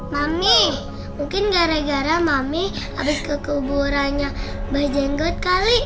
mami mungkin gara gara mami habis kekuburannya mbak jenggot kali